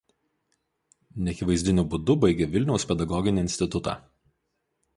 Neakivaizdiniu būdu baigė Vilniaus pedagoginį institutą.